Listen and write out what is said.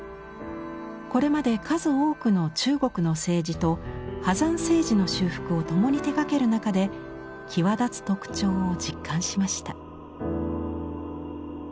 これまで数多くの中国の青磁と波山青磁の修復を共に手がける中で際立つ特徴を実感しました。